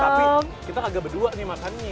tapi kita agak berdua nih makannya